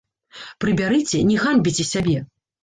Прыбярыце, не ганьбіце сябе!